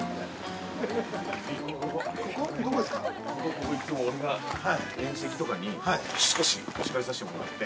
ここいっつも、俺が、縁石とかに、少し腰かけさせてもらって。